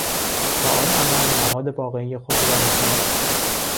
با آن عمل نهاد واقعی خود را نشان داد.